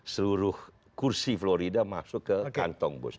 seluruh kursi florida masuk ke kantong bus